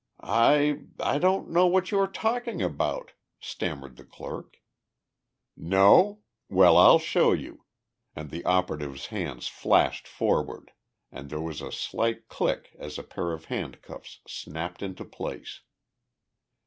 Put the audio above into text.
"I I don't know what you are talking about," stammered the clerk. "No? Well, I'll show you!" and the operative's hands flashed forward and there was a slight click as a pair of handcuffs snapped into place.